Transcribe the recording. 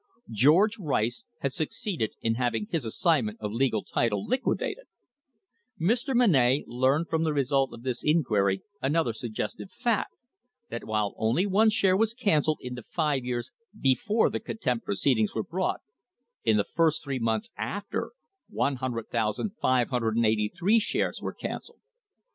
George Rice had succeeded in having his assignment of legal title liquidated! Mr. Monnett learned from the result of this inquiry another suggestive fact, that while only one share was cancelled in the five years before the contempt proceed ings were brought, in the first three months after, 100,583 shares were cancelled